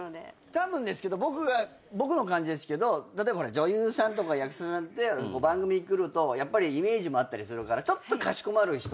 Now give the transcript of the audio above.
たぶんですけど僕の感じですけど例えば女優さんとか役者さんって番組来るとイメージもあったりするからちょっとかしこまる人も多かったりする。